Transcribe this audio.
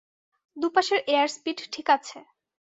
দুপাশের এয়ারস্পীড ঠিক আছে।